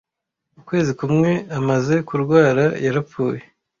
Ukwezi kumwe amaze kurwara, yarapfuye.